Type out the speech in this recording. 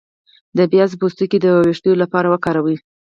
د پیاز پوستکی د ویښتو لپاره وکاروئ